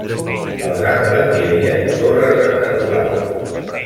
Als angles hi havia torres rectangulars.